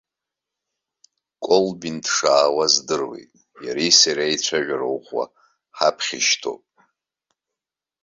Колбин дшаауа здыруеит, иареи сареи аицәажәара ӷәӷәа ҳаԥхьа ишьҭоуп.